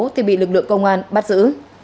thì bị lực lượng công an bắt giữ